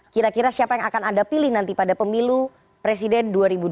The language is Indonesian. kira kira siapa yang akan anda pilih nanti pada pemilu presiden dua ribu dua puluh